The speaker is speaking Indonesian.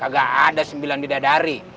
gak ada sembilan bidadari